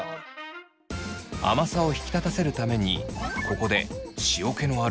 甘さを引き立たせるためにここで塩気のある韓国のりを。